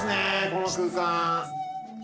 この空間！